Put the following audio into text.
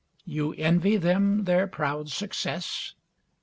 You envy them their proud success?